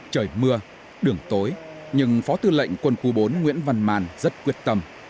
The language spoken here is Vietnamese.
trời mưa đường tối nhưng phó tư lệnh quân khu bốn nguyễn văn màn rất quyết tâm